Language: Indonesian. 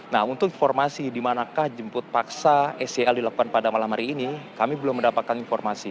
nah untuk informasi di manakah jemput paksa sel dilakukan pada malam hari ini kami belum mendapatkan informasi